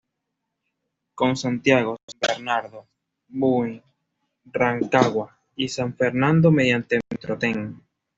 Con Santiago, San Bernardo, Buin, Rancagua y San Fernando, mediante Metrotren.